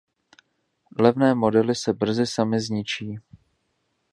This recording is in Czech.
Levné modely se brzy samy zničí.